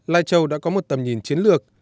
lai châu đã có một tầm nhìn chiến lược